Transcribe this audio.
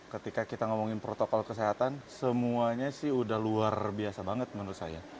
ketika kita ngomongin protokol kesehatan semuanya sih udah luar biasa banget menurut saya